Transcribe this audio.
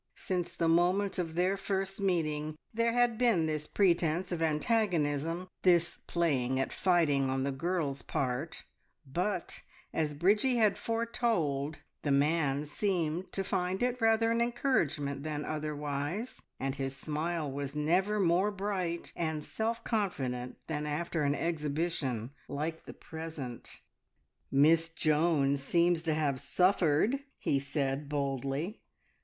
Since the moment of their first meeting there had been this pretence of antagonism, this playing at fighting on the girl's part; but, as Bridgie had foretold, the man seemed to find it rather an encouragement than otherwise, and his smile was never more bright and self confident than after an exhibition like the present. "Miss Joan seems to have suffered," he said boldly.